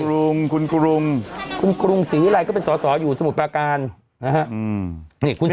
รุงคุณกรุงคุณกรุงศรีวิรัยก็เป็นสอสออยู่สมุทรประการนะฮะนี่คุณ